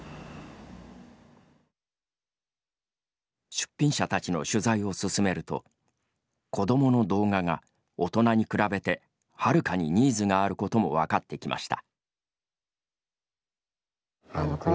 出品者たちの取材を進めると子どもの動画が大人に比べてはるかにニーズがあることも分かってきました。